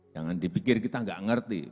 jangan dipikir kita nggak ngerti